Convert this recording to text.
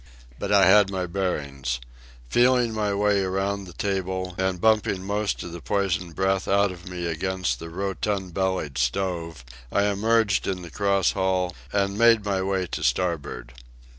But I had my bearings. Feeling my way around the table and bumping most of the poisoned breath out of me against the rotund bellied stove, I emerged in the cross hall and made my way to starboard.